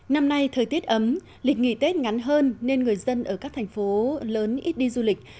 năm nay thời tiết ấm lịch nghỉ tết ngắn hơn nên người dân ở các thành phố lớn ít đi du lịch